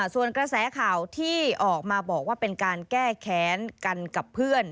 ส่วนกระแสข่าวที่ออกมาบอกว่าเป็นการแก้แค้นกันกับเพื่อน